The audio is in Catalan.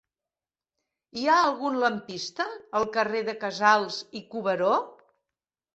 Hi ha algun lampista al carrer de Casals i Cuberó?